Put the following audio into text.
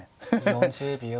４０秒。